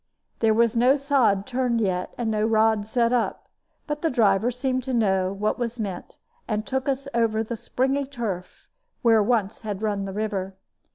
There was no sod turned yet and no rod set up; but the driver seemed to know what was meant, and took us over the springy turf where once had run the river.